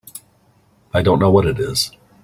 I don't know what it is.